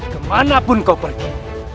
kemanapun kau pergi